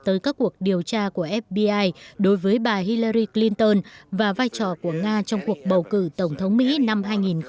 tới các cuộc điều tra của fbi đối với bà hillary clinton và vai trò của nga trong cuộc bầu cử tổng thống mỹ năm hai nghìn một mươi sáu